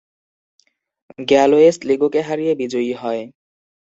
Galway স্লিগোকে হারিয়ে বিজয়ী হয়।